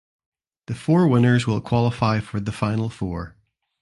The four winners will qualify for the Final Four.